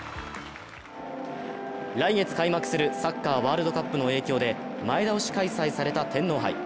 来月開幕するサッカーワールドカップの影響で前倒し開催された天皇杯。